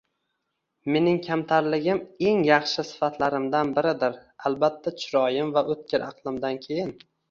Mening kamtarligim eng yaxshi sifatlarimdan biridir! Albatta chiroyim va o'tkir aqlimdan keyin...